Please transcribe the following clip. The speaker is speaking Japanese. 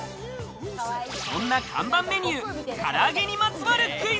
そんな看板メニュー、唐揚げにまつわるクイズ。